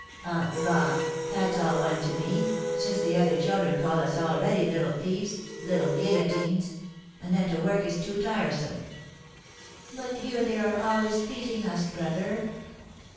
"Ah! bah! That's all one to me, since the other children call us already little thieves, little guillotines! And then to work is too tiresome!" "But here they are always beating us, brother!"